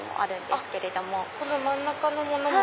あっこの真ん中のものも。